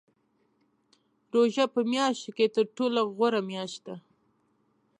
روژه په میاشتو کې تر ټولو غوره میاشت ده .